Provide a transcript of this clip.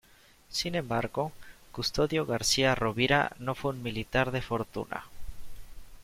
Sin embargo, Custodio García Rovira no fue un militar de fortuna.